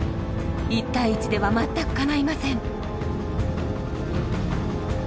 一対一では全くかないません。